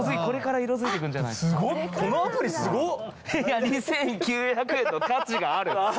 いや２，９００円の価値がある。